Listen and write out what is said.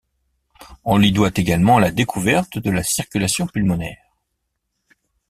On lui doit également la découverte de la circulation pulmonaire.